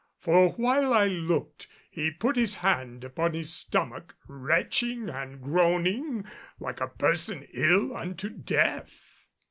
For while I looked he put his hand upon his stomach, retching and groaning like a person ill unto death.